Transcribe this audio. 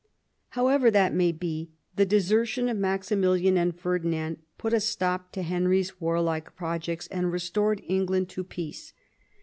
However that may be, the desertion of Maximilian and Ferdinand put a stop to Henry's warlike projects, and restored England to peace.